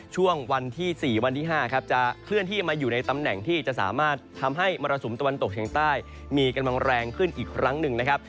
ช่วงวันที่๔วันที่๕ครับจะเคลื่อนที่มาอยู่ในตำแหน่งที่จะสามารถทำให้มรสุมตะวันตกเฉียงใต้มีกำลังแรงขึ้นอีกครั้งหนึ่งนะครับ